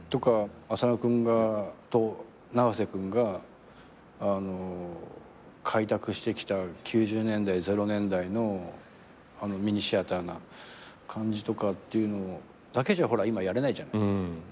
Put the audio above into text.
浅野君と永瀬君が開拓してきた９０年代００年代のミニシアターな感じとかっていうのだけじゃ今やれないじゃない。